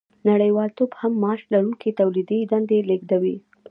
نړیوالتوب کم معاش لرونکي تولیدي دندې لېږدوي